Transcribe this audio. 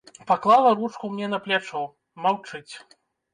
Паклала ручку мне на плячо, маўчыць.